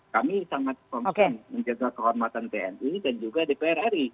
kami sangat concern menjaga kehormatan tni dan juga dpr ri